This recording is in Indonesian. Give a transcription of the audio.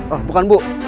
oh bukan bu